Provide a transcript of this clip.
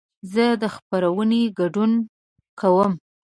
زه د خپرونې ګډون کوم.